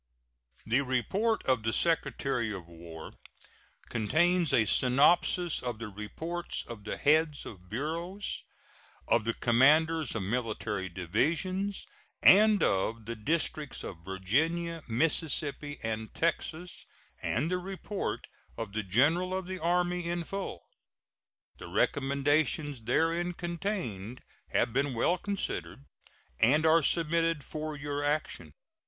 The report of the Secretary of War contains a synopsis of the reports of the heads of bureaus, of the commanders of military divisions, and of the districts of Virginia, Mississippi, and Texas, and the report of the General of the Army in full. The recommendations therein contained have been well considered, and are submitted for your action.